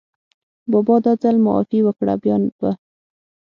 بابا دا ځل معافي وکړه، بیا به …